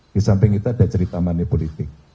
di samping itu ada cerita manipulatif